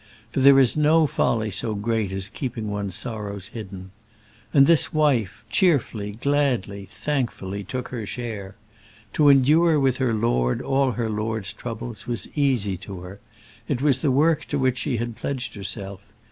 For there is no folly so great as keeping one's sorrows hidden. And this wife cheerfully, gladly, thankfully took her share. To endure with her lord all her lord's troubles was easy to her; it was the work to which she had pledged herself.